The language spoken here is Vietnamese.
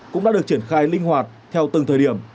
cũng đã được triển khai linh hoạt theo từng thời điểm